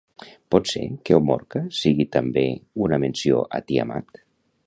Pot ser que Omorca sigui també una menció a Tiamat?